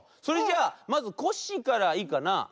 それじゃあまずコッシーからいいかな？